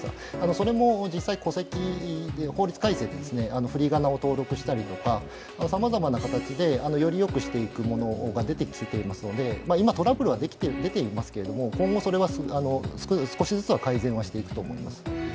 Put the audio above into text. それも、実際戸籍で法律改正で振り仮名を登録したりとかさまざまな形でよりよくするものが出てきているので今トラブルは出ていますが、今後それは少しずつは改善していくと思います。